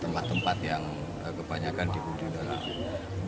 tempat tempat yang kebanyakan dibuat di dalam